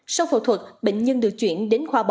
sau phẫu thuật bệnh nhân được chuyển đến khoa bỏ